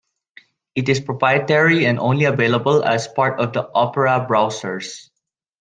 It is proprietary and only available as a part of the Opera browsers.